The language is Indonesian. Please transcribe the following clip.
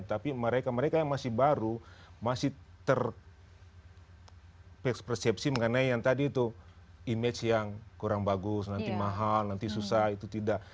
tapi mereka mereka yang masih baru masih terpersepsi mengenai yang tadi itu image yang kurang bagus nanti mahal nanti susah itu tidak